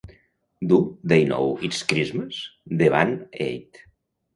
Do They Know It's Christmas? de Band Aid.